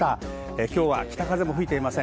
今日は北風も吹いていません。